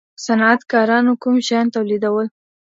صنعت کارانو کوم شیان تولیدول؟